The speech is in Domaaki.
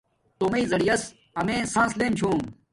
تومݵ زریعہ یس امیے سانس لم چھوم